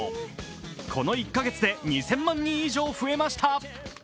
この１か月で２０００万人以上増えました。